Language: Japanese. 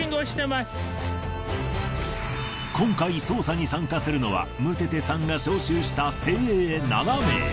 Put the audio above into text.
今回捜査に参加するのはムテテさんが招集した精鋭７名。